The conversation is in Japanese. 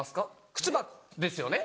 靴箱。ですよね